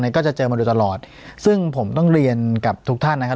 ก็จะเจอมาโดยตลอดซึ่งผมต้องเรียนกับทุกท่านนะครับ